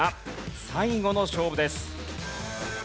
最後の勝負です。